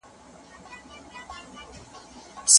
هغه کسان چې احتیاط کوي لږ ناروغه کیږي.